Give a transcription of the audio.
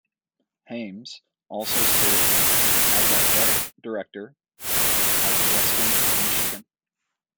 Hyames also served as athletic director at Western Michigan.